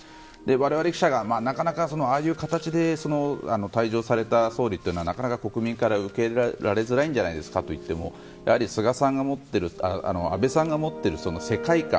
我々記者がああいう形で退場された総理というのはなかなか国民から受け入れられづらいんじゃないですかと言ったら安倍さんが持っている世界観